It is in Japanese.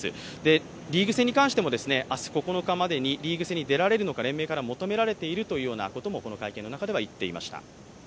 リーグ戦に関しても明日９日までにリーグ戦に出られるのか連盟から求められているということもこの会見の中では言っていました。